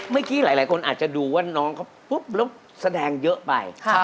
เมื่อกี้หลายคนอาจจะดูว่าน้องเขาปุ๊บแล้วแสดงเยอะไป